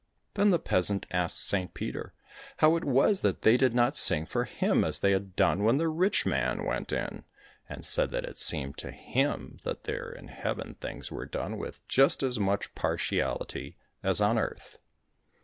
Then the peasant asked Saint Peter how it was that they did not sing for him as they had done when the rich man went in, and said that it seemed to him that there in heaven things were done with just as much partiality as on earth.